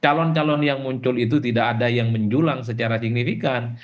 calon calon yang muncul itu tidak ada yang menjulang secara signifikan